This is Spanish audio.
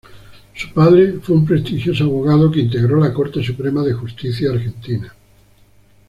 Su padre fue un prestigioso abogado que integró la Corte Suprema de Justicia argentina.